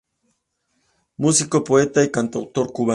Músico, poeta y cantautor cubano.